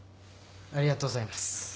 ありがとうございます。